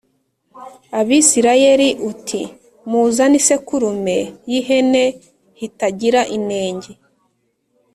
Abisirayeli uti muzane isekurume y ihene h itagira ineng